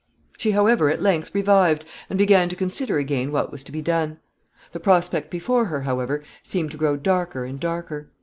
] She however, at length, revived, and began to consider again what was to be done. The prospect before her, however, seemed to grow darker and darker.